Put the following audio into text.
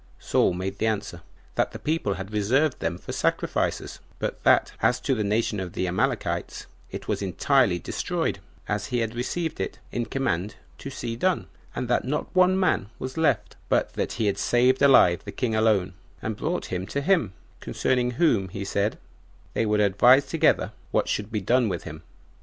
Saul made answer, That the people had reserved them for sacrifices; but that, as to the nation of the Amalekites, it was entirely destroyed, as he had received it in command to see done, and that no one man was left; but that he had saved alive the king alone, and brought him to him, concerning whom, he said, they would advise together what should be done with him.